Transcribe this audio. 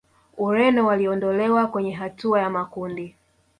Ureno waliondolewa kwenye hatua ya makundi